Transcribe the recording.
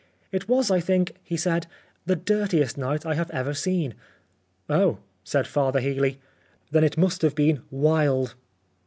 " It was, I think," he said, " the dirtiest night I have ever seen." " Oh," said Father Healy, " then it must have been wild."